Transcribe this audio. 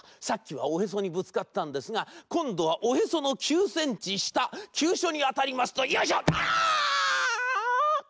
さっきはおへそにぶつかったんですがこんどはおへその９センチしたきゅうしょにあたりますと「よいしょ！」。